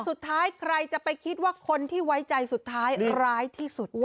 สุดท้ายใครจะไปคิดว่าคนที่ไว้ใจสุดท้ายร้ายที่สุด